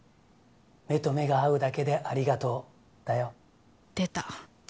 目と目が合うだけでありがとうだよ。